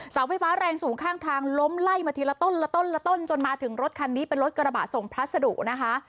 เสาไฟฟ้าแรงสูงข้างทางล้มไล่มาทีละต้นละต้นละต้นจนมาถึงรถคันนี้เป็นรถกระบะส่งพัสดุนะคะ